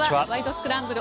スクランブル」